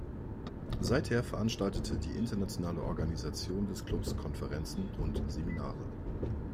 Seither veranstaltete die internationale Organisation des Clubs Konferenzen und Seminare.